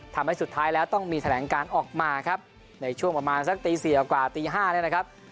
ทำให้สุดท้ายแล้วต้องมีแถลงการออกมาครับในช่วงประมาณสักตีสี่กว่าตี๕เนี่ยนะครับ